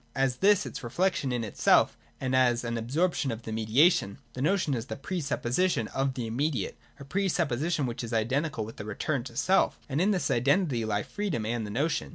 As this its reflection in itself and as an absorption of the mediation, the notion is the pre supposition of the immediate — a pre sup position which is identical with the return to self; and in this identity lie freedom and the notion.